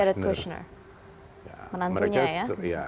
jared kushner menantunya ya